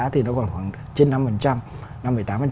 thì nó còn khoảng trên năm